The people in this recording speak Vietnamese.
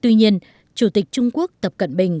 tuy nhiên chủ tịch trung quốc tập cận bình